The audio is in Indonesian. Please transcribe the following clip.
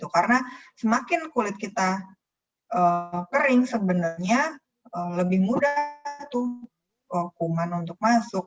karena semakin kulit kita kering sebenarnya lebih mudah tuh kuman untuk masuk